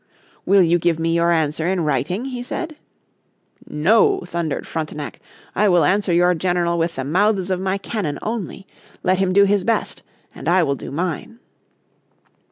"Will you give me your answer in writing?" he said. "No," thundered Frontenac, "I will answer your general with the mouths of my cannon only. Let him do his best, and I will do mine."